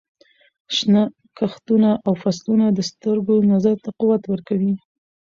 شنه کښتونه او فصلونه د سترګو نظر ته قوت ورکوي.